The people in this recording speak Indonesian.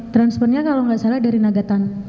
transfernya kalau nggak salah dari nagatan